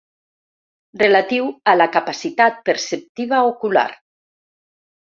Relatiu a la capacitat perceptiva ocular.